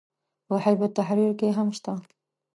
په حزب التحریر کې هم شته.